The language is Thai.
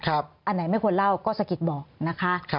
อันไหนไม่ควรเล่าก็สะกิดบอกนะคะ